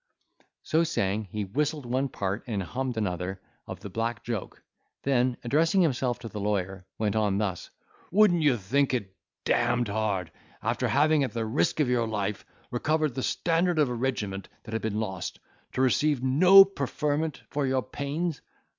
So saying, he whistled one part and hummed another, of the Black Joke; then, addressing himself to the lawyer, went on thus; "Wouldn't you think it d—d hard, after having, at the risk of your life, recovered the standard of a regiment that had been lost, to receive no preferment for your pains?